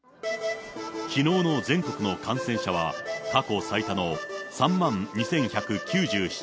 きのうの全国の感染者は、過去最多の３万２１９７人。